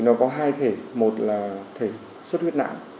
nó có hai thể một là thể suất huyết não